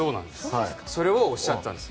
それをおっしゃっていたんです。